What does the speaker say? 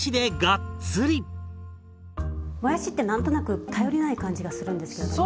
もやしって何となく頼りない感じがするんですよね。